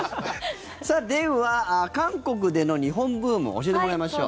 では韓国での日本ブームを教えてもらいましょう。